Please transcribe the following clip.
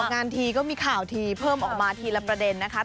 งานทีก็มีข่าวทีเพิ่มออกมาทีละประเด็นนะคะ